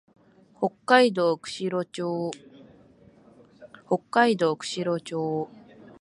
北海道釧路町